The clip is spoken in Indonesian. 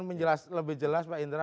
nah nanti kalau ingin lebih jelas pak indra